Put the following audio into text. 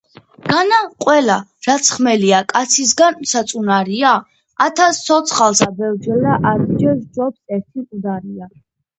განა ყველე, რაც ხმელია, კაცისგან საწუნარია?! ათასს ცოცხალსა ბევრჯელა ათჯერ სჯობს ერთი მკვდარია.